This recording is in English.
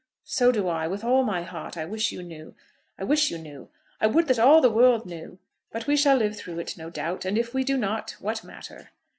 "So do I, with all my heart. I wish you knew; I wish you knew. I would that all the world knew. But we shall live through it, no doubt. And if we do not, what matter.